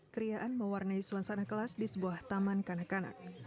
kriaan mewarnai suasana kelas di sebuah taman kanak kanak